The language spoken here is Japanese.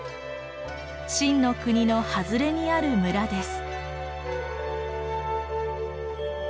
晋の国の外れにある村です。